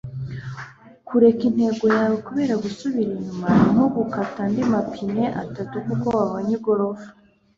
kureka intego yawe kubera gusubira inyuma ni nko gukata andi mapine atatu kuko wabonye igorofa